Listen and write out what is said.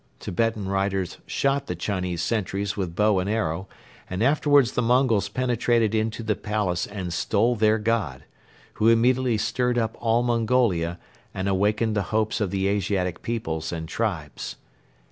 Tibetan riders shot the Chinese sentries with bow and arrow and afterwards the Mongols penetrated into the palace and stole their "God," who immediately stirred up all Mongolia and awakened the hopes of the Asiatic peoples and tribes.